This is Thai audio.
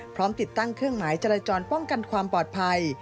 พร้อมติดตั้งเครื่องหมายจราจรป้องกันความปลอดภัย